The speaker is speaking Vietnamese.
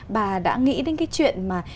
bạn đã nghĩ đến cái chuyện mà